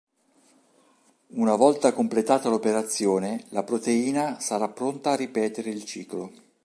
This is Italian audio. Una volta completata l'operazione, la proteina sarà pronta a ripetere il ciclo.